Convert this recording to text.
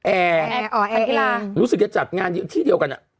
แออ๋อแอแอดรู้สึกจะจัดงานที่เดียวกันอ่ะ